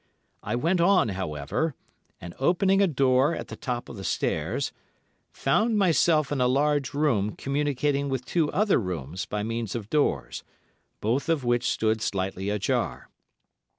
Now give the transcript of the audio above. I went on, however, and opening a door at the top of the stairs, found myself in a large room communicating with two other rooms by means of doors, both of which stood slightly ajar.